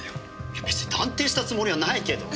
いや別に断定したつもりはないけど！